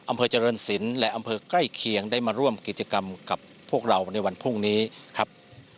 อำเภอเจริญศิลป์และอำเภอใกล้เคียงได้มาร่วมกิจกรรมกับพวกเราในวันพรุ่งนี้ครับ